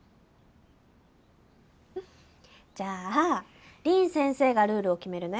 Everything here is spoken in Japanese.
じゃあ凛先生がルールを決めるね。